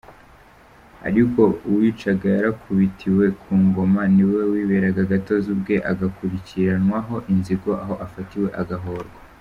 Ariko uwicaga yarakubitiwe ku ngoma, niwe wiberaga gatozi, ubwe agakurikiranwaho inzigo, aho afatiwe agahorwa.